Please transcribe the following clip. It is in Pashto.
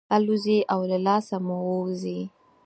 الوزي او له لاسه مو وځي.